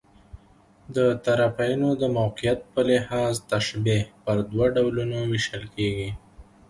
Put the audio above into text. د طرفَینو د موقعیت په لحاظ، تشبیه پر دوه ډولونو وېشل کېږي.